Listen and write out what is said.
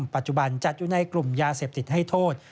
ปัจจุบันจัดอยู่ในกลุ่มยาเสพติดให้โทษ